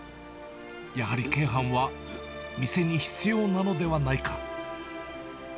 やはり鶏飯は店に必要なのではないか。